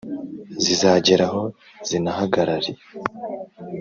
Zizageraho zinahagarare